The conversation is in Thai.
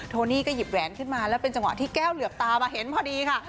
โนี่ก็หยิบแหวนขึ้นมาแล้วเป็นจังหวะที่แก้วเหลือบตามาเห็นพอดีค่ะ